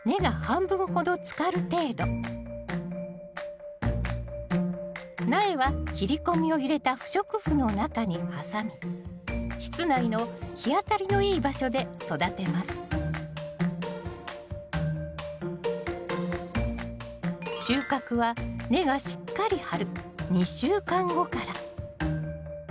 目安は苗は切り込みを入れた不織布の中に挟み室内の日当たりのいい場所で育てます収穫は根がしっかり張る２週間後から。